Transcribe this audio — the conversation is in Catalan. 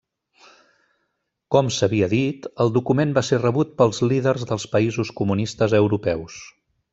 Com s'havia dit, el document va ser rebut pels líders dels països comunistes europeus.